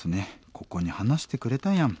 「ここに話してくれたやん。